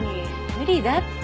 無理だって。